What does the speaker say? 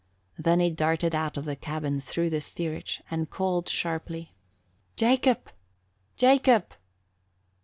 Then he darted out of the cabin through the steerage and called sharply, "Jacob! Jacob!"